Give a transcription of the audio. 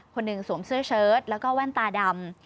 คนนึงสวมเสื้อเชิ้ตแล้วก็ว่านตาดำ